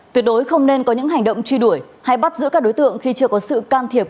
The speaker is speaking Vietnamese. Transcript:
tuyệt đối không nên có những hành động truy đuổi hay bắt giữ các đối tượng khi chưa có sự can thiệp